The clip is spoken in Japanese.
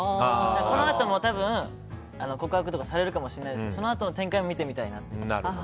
このあとも多分告白とかされるかもしれないですけどそのあとの展開も見てみたいなって。